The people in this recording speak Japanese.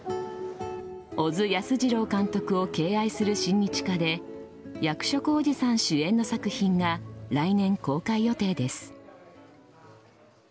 小津安二郎監督を敬愛する親日家で役所広司さん主演の作品が来年公開予定です。